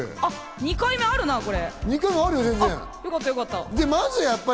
２回目あるな、これ。